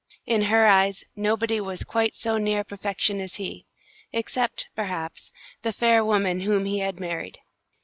In her eyes, nobody was quite so near perfection as he, except, perhaps, the fair woman whom he had married.